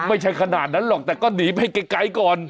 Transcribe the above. ไม่ใช่ขนาดนั้นหรอกแต่ก็หนีไปไกลก่อน